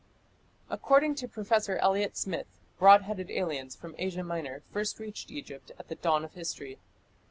According to Professor Elliot Smith, broad headed aliens from Asia Minor first reached Egypt at the dawn of history.